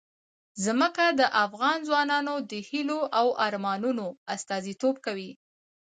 ځمکه د افغان ځوانانو د هیلو او ارمانونو استازیتوب کوي.